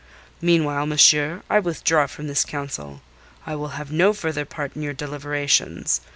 Meanwhile, monsieur, I withdraw from this council. I will have no further part in your deliberations.